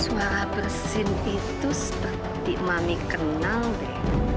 suara bersin itu seperti mami kenal deh